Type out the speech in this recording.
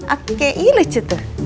oke iya lucu tuh